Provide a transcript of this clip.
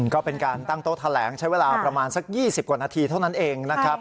ก็เป็นการตั้งโต๊ะแถลงใช้เวลาประมาณสัก๒๐กว่านาทีเท่านั้นเองนะครับ